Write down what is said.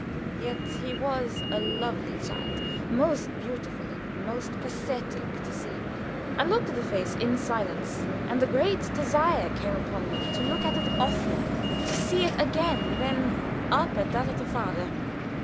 Yet he was a lovely child most beautiful and most pathetic to see. I looked at the small face in silence, and a great desire came upon me to look at it oftener to see it again, then up at that of the father.